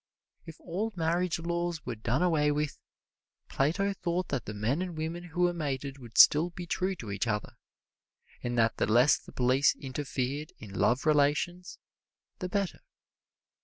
If all marriage laws were done away with, Plato thought that the men and women who were mated would still be true to each other, and that the less the police interfered in love relations, the better.